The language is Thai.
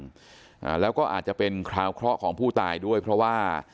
อ่าแล้วก็อาจจะเป็นคราวเคราะห์ของผู้ตายด้วยเพราะว่า